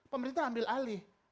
pemerintah ambil alih